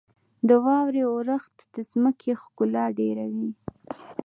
• د واورې اورښت د ځمکې ښکلا ډېروي.